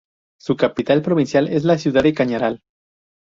Su capital provincial es la ciudad de Chañaral.